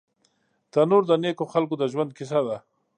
تنور د نیکو خلکو د ژوند کیسه ده